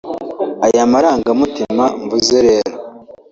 Aya marangamutima mvuze rero